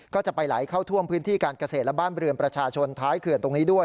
ก็จะไปไหลเข้าท่วมพื้นที่การเกษตรและบ้านเรือนประชาชนท้ายเขื่อนตรงนี้ด้วย